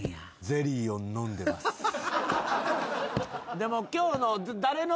でも今日の。